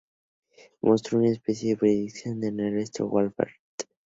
Mostró una especial predilección por Ernesto Halffter.